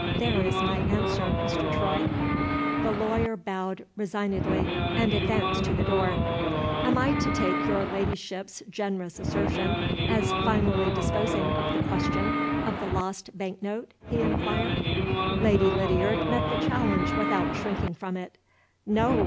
There is my answer, Mr. Troy." The lawyer bowed resignedly, and advanced to the door. "Am I to take your Ladyship's generous assertion as finally disposing of the question of the lost bank note?" he inquired. Lady Lydiard met the challenge without shrinking from it. "No!"